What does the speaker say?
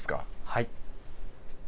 はい。